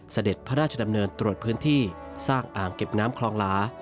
เสด็จพระราชดำเนินตรวจพื้นที่สร้างอ่างเก็บน้ำคลองหลา